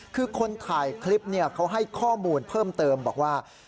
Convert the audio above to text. คือคนถ่ายคลิปเขาให้ข้อมูลเพิ่มเติมบอกว่า